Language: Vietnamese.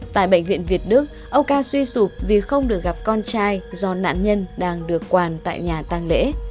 tại bệnh viện việt đức ông ca suy sụp vì không được gặp con trai do nạn nhân đang được quàn tại nhà tàng lễ